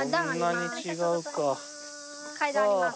段あります。